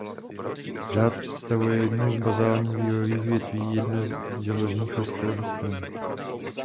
Řád představuje jednu z bazálních vývojových větví jednoděložných rostlin.